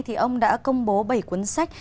thì ông đã công bố bảy cuốn sách